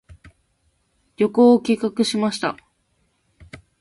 旅行を計画しました。